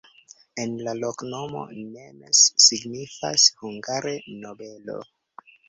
En la loknomo nemes signifas hungare: nobelo.